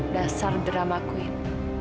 dasar drama queen